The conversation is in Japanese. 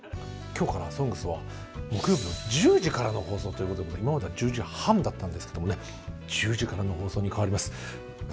今日から「ＳＯＮＧＳ」は木曜日の１０時からの放送ということで今までは１０時半だったんですけどもね１０時からの放送に変わります。